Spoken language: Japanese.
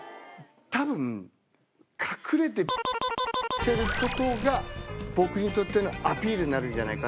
多分隠れてしてる事が僕にとってのアピールになるんじゃないかなとは。